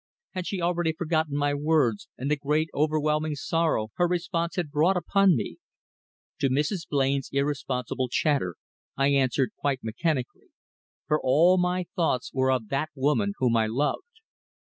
Had she already forgotten my words and the great overwhelming sorrow her response had brought upon me? To Mrs. Blain's irresponsible chatter I answered quite mechanically, for all my thoughts were of that woman whom I loved.